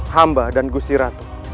hamba dan gusti ratu